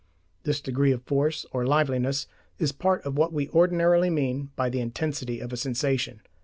This degree of force or liveliness is part of what we ordinarily mean by the intensity of a sensation.